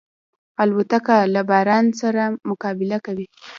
الوتکه له باران سره مقابله کوي.